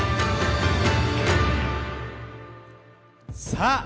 さあ